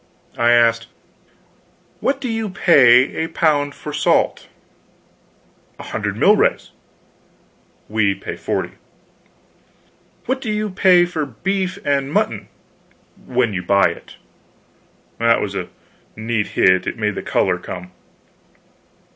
I asked: "What do you pay a pound for salt?" "A hundred milrays." "We pay forty. What do you pay for beef and mutton when you buy it?" That was a neat hit; it made the color come.